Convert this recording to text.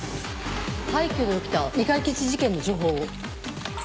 廃虚で起きた未解決事件の情報を。